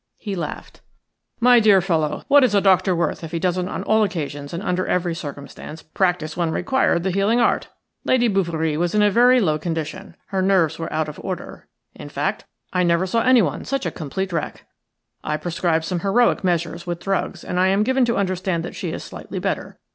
He laughed. "My dear fellow, what is a doctor worth if he doesn't on all occasions and under every circumstance practise when required the healing art? Lady Bouverie was in a very low condition, her nerves out of order – in fact, I never saw anyone such a complete wreck. I prescribed some heroic measures with drugs, and I am given to understand that she is slightly better.